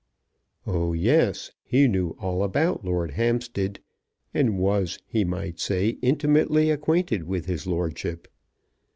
"Oh, yes; he knew all about Lord Hampstead, and was, he might say, intimately acquainted with his lordship.